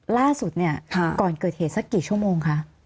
ล่าสุดเนี่ยก่อนเกิดเหตุสักกี่ชั่วโมงคะ